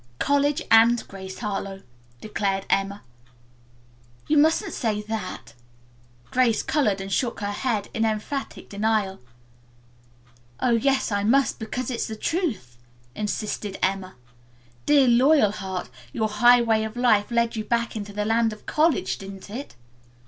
"College and Grace Harlowe," declared Emma. "You mustn't say that," Grace colored and shook her head in emphatic denial. "Oh, yes, I must, because it is the truth," insisted Emma. "Dear Loyalheart, your Highway of Life led you back into the Land of College, didn't it?"